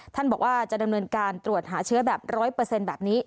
ท่านบอกว่าจะดำเนินการตรวจหาเชื้อแบบ๑๐๐แบบนี้